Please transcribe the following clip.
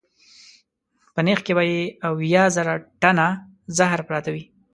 په نېښ کې به یې اویا زره ټنه زهر پراته وي.